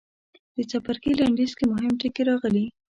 د څپرکي لنډیز کې مهم ټکي راغلي.